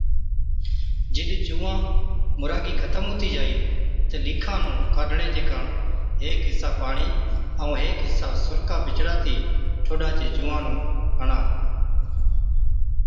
جِڏ جُوئان مُراگِي ختم هُتِي جائِي تہ لِيکان نُون ڪاڍڻي چي ڪاڻ هيڪ حِصا پاڻِي ائُون هيڪ حِصا سُرڪا بِچڙاتِي ٺوڏا چي چُونڻان نُون هڻا۔